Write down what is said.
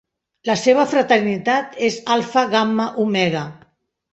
La seva fraternitat és Alfa Gamma Omega.